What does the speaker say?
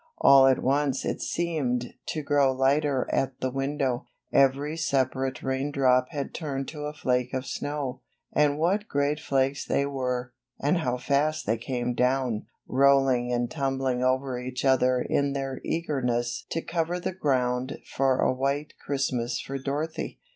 All at once it seem d to grow lighter at the window, every separate raindrop had turned to a flake of snow; and what great flakes they were, and how fast they came down, rolling and tumbling over each other in their eagerness to cover the ground for a white Christmas for Dorothy.